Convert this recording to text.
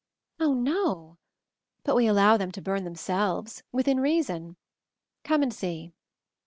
"Oh, no; but we allow them to burn them selves — within reason. Come and see."